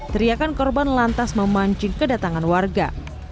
teriakan korban lantas memancing kedatangan warga